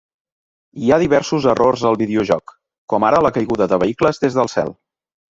Hi ha diversos errors al videojoc, com ara la caiguda de vehicles des del cel.